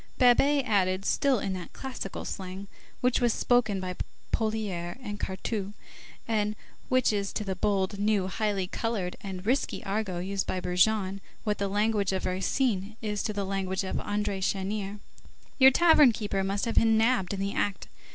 Babet added, still in that classical slang which was spoken by Poulailler and Cartouche, and which is to the bold, new, highly colored and risky argot used by Brujon what the language of Racine is to the language of André Chenier:— "Your tavern keeper must have been nabbed in the act.